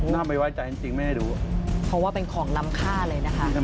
น่าไม่ไว้ใจจริงจริงไม่ให้ดูเพราะว่าเป็นของรำค่าเลยนะคะ